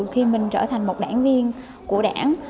khi mình trở thành một đảng viên của đảng